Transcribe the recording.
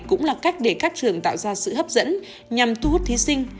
cũng là cách để các trường tạo ra sự hấp dẫn nhằm thu hút thí sinh